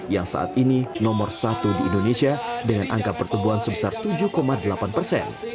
yang saat ini nomor satu di indonesia dengan angka pertumbuhan sebesar tujuh delapan persen